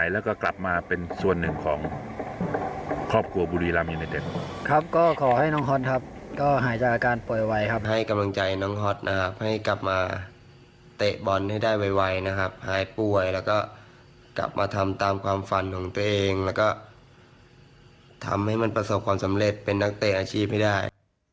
แล้วก็ให้กลับมาเตะบอลให้ได้ไวนะครับหายป่วยแล้วก็กลับมาทำตามความฝันของตัวเองแล้วก็ทำให้มันประสบความสำเร็จเป็นนักเตะอาชีพให้ได้